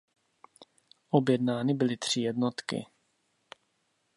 Objednány byly tři jednotky.